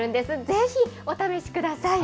ぜひお試しください。